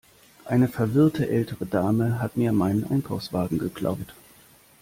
Eine verwirrte ältere Dame hat mir meinen Einkaufswagen geklaut.